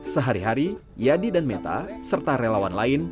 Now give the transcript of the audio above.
sehari hari yadi dan meta serta relawan lain